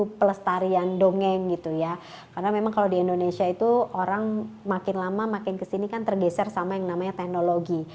untuk pelestarian dongeng gitu ya karena memang kalau di indonesia itu orang makin lama makin kesini kan tergeser sama yang namanya teknologi